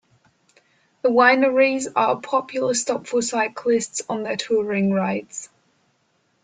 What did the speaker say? The wineries are a popular stop for cyclists on their touring rides.